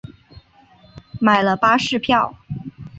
买了巴士票